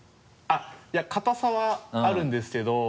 いや硬さはあるんですけど。